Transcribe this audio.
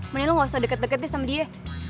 mending lo gak usah deket deket ya sama dia